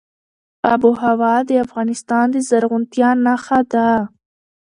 آب وهوا د افغانستان د زرغونتیا نښه ده.